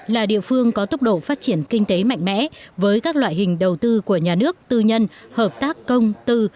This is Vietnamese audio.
là địa phương có tốc độ phát triển kinh tế mạnh mẽ với các loại hình đầu tư của nhà nước tư nhân hợp tác công tư